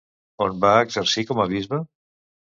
On va exercir com a bisbe?